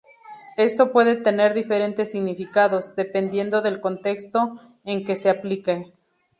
Esto puede tener diferentes significados, dependiendo del contexto en que se aplique.